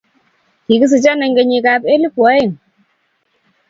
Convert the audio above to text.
Kigisicho eng kenyitab elbu aeng